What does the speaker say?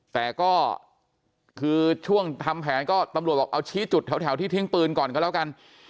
แต่ก็คือช่วงทำแผนก็ตำรวจบอกเอาชี้จุดแถวที่ทิ้งปืนก่อนก็แล้วกัน